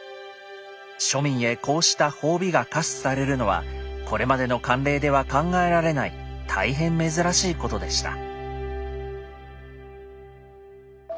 庶民へこうした褒美が下賜されるのはこれまでの慣例では考えられない大変珍しいことでした。